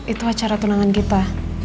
itu acara tunangan kita